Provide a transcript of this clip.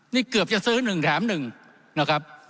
นี่เกือบจะซื้อ๑แถม๑นะครับ